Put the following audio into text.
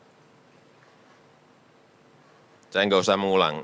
saya enggak usah mengulang